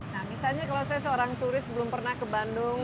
nah misalnya kalau saya seorang turis belum pernah ke bandung